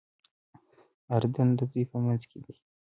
اردن د دوی په منځ کې دی.